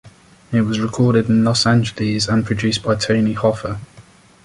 It was recorded in Los Angeles and produced by Tony Hoffer.